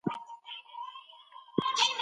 د مایعاتو کم څښل زیان رسوي.